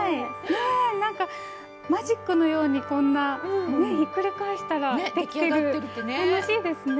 ねなんかマジックのようにこんなひっくり返したらできてる。ね？